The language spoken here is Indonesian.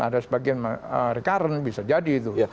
ada sebagian recurrent bisa jadi itu